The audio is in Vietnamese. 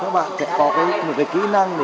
chúng ta sẽ mvd đến bốn năm suốt đêm khổ cao